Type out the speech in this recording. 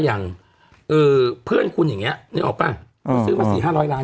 อย่างเอ่อเพื่อนคุณอย่างเงี้ยนึกออกป่ะอืมซื้อมาสี่ห้าร้อยล้าน